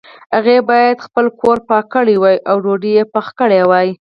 هغې باید خپل کور پاک کړی وای او ډوډۍ یې پخې کړي وای